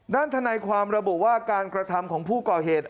ทนายความระบุว่าการกระทำของผู้ก่อเหตุ